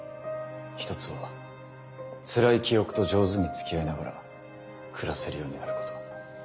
一つはつらい記憶と上手につきあいながら暮らせるようになること。